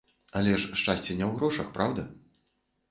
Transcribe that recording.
Але ж шчасце не ў грошах, праўда?!